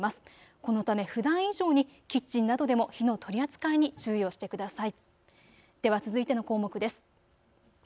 このため、ふだん以上にキッチンなどでも火の取り扱いに注意をしてください。